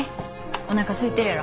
おなかすいてるやろ。